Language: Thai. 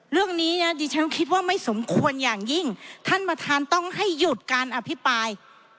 เรื่องนี้นะดิฉันคิดว่าไม่สมควรอย่างยิ่งท่านประธานต้องให้หยุดการอภิปราย